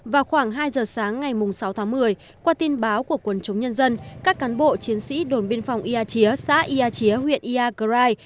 vào khoảng hai giờ sáng ngày sáu tháng một mươi qua tin báo của quân chống nhân dân các cán bộ chiến sĩ đồn biên phòng yà chía xã yà chía huyện yà grai